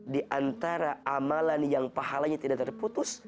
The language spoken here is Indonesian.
diantara amalan yang pahalanya tidak terputus